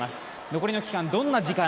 残りの期間